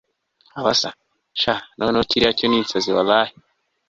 abasa! sha noneho kiriya cyo ninsazi wallah